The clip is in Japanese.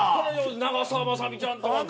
長澤まさみちゃんとか。